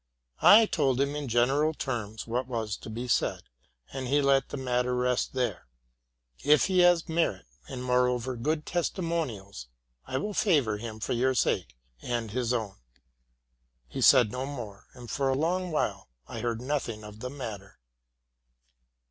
{ told him in general terms what was to be said, and he let the matter rest there. ''If he has merit, and, moreover, good testimonials, I will favor him for your sake and his own.' He said no more, and for a long while I heard nothing of the matter.